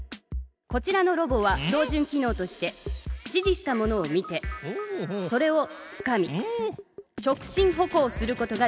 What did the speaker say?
こちらのロボは標じゅん機のうとして指じしたものを見てそれをつかみ直進歩行することができる！